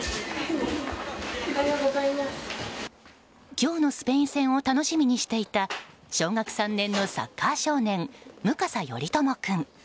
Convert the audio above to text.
今日のスペイン戦を楽しみにしていた小学３年のサッカー少年武笠頼友君。